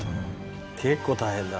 結構大変だ。